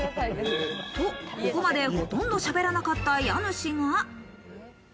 と、ここまでほとんどしゃべらなかった家主が。